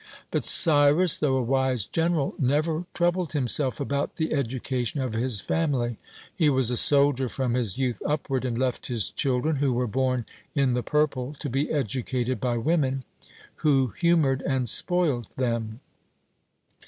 But Cyrus, though a wise general, never troubled himself about the education of his family. He was a soldier from his youth upward, and left his children who were born in the purple to be educated by women, who humoured and spoilt them.